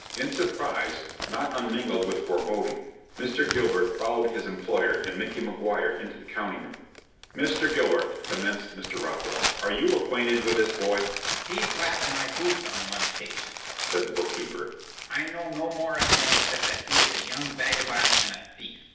In surprise, not unmingled with foreboding, Mr. Gilbert followed his employer and Micky Maguire into the counting room. "Mr. Gilbert," commenced Mr. Rockwell, "are you acquainted with this boy?" "He blacked my boots on one occasion," said the book keeper; "I know no more of him except that he is a young vagabond and a thief."